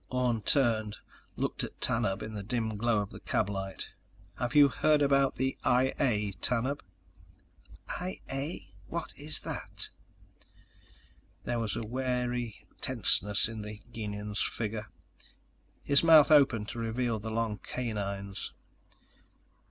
Orne turned, looked at Tanub in the dim glow of the cab light. "Have you heard about the I A, Tanub?" "I A? What is that?" There was a wary tenseness in the Gienahn's figure. His mouth opened to reveal the long canines.